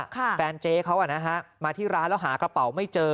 แฟนเจ๊เขาอ่ะนะฮะมาที่ร้านแล้วหากระเป๋าไม่เจอ